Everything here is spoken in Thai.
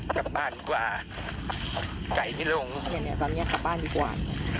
กลับบ้านกว่าไก่ที่ลงตอนนี้กลับบ้านดีกว่า